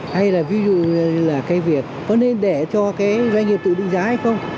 hay là ví dụ như là cái việc có nên để cho cái doanh nghiệp tự định giá hay không